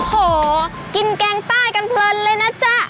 โหกินแกงใต้กันเพลินเลยนะจ๊ะ